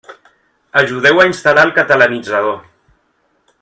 Ajudeu a instal·lar el Catalanitzador.